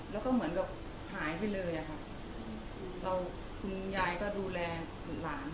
แล้วก็เหมือนกับหายไปเลยอะค่ะเราคุณยายก็ดูแลหลาน